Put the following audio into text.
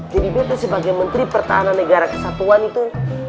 jadi beta sebagai menteri pertahanan negara kesatuan itu